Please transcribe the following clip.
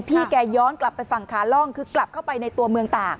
พี่แกย้อนกลับไปฝั่งขาล่องคือกลับเข้าไปในตัวเมืองตาก